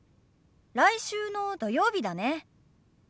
来週の土曜日だね。